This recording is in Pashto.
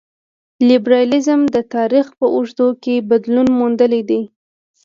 لېبرالیزم د تاریخ په اوږدو کې بدلون موندلی دی.